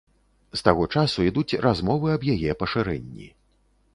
З таго часу ідуць размовы аб яе пашырэнні.